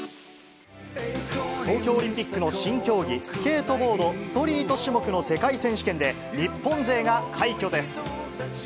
東京オリンピックの新競技、スケートボードストリート種目の世界選手権で、日本勢が快挙です。